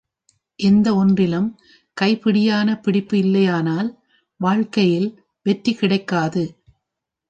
எந்த ஒன்றிலும் கைப்பிடியான பிடிப்பு இல்லையானால் வாழ்க்கையில் வெற்றி கிடைக்காது.